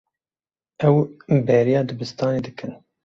Ew bêriya dibistanê dikin.